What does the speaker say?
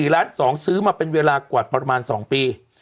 ๔๒๐๐๐๐๐บาทซื้อมาเป็นเวลากวัาดประมาณ๒ปี